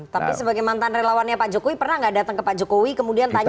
tapi sebagai mantan relawannya pak jokowi pernah nggak datang ke pak jokowi kemudian tanya